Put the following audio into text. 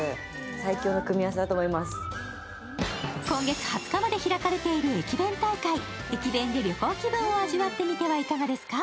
今月２０日まで開かれている駅弁大会、